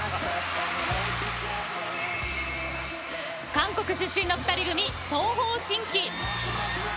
韓国出身の２人組東方神起。